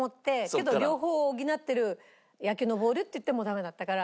けど両方を補ってる野球のボールって言ってもダメだったから。